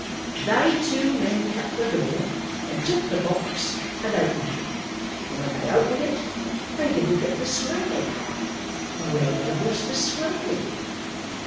They two men cut the door, and took the box, and opened it, and when they'd opened it, they didn't get the swag. Where was the swag?"